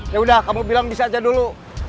yaudah kamu bilang bisa aja dulu